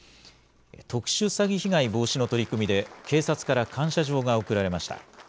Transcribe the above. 特殊詐欺被害防止の取り組みで、警察から感謝状が贈られました。